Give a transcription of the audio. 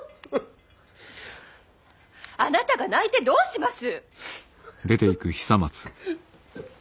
あなたが泣いてどうします！